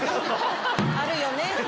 あるよね。